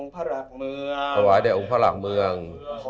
ประวายได้องค์พระรักษ์เมือง